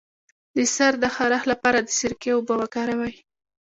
د سر د خارښ لپاره د سرکې اوبه وکاروئ